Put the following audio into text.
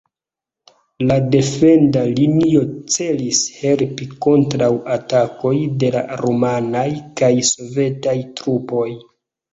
La defenda linio celis helpi kontraŭ atakoj de la rumanaj kaj sovetaj trupoj.